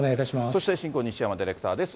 そして、進行、西山ディレクターです。